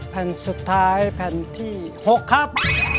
แผ่นสุดท้ายแผ่นที่๖ครับ